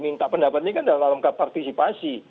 minta pendapat ini kan dalam hal mengungkap partisipasi